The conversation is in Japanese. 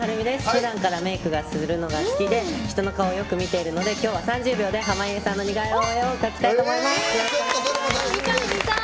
ふだんからメークをするのが好きで人の顔をよく見ているので今日は３０秒で濱家さんの似顔絵を描きたいと思います。